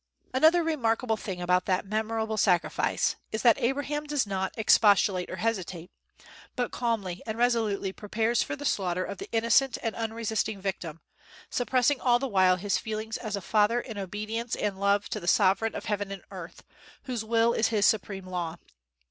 Another remarkable thing about that memorable sacrifice is, that Abraham does not expostulate or hesitate, but calmly and resolutely prepares for the slaughter of the innocent and unresisting victim, suppressing all the while his feelings as a father in obedience and love to the Sovereign of heaven and earth, whose will is his supreme law.